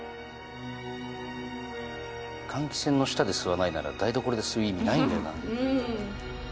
換気扇の下で吸わないなら台所で吸う意味ないんだよな。